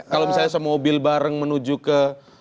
kalau misalnya semobil bareng menuju ke